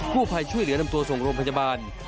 ผู้ภัยช่วยเหลือนำตัวส่งโรงพยาบาล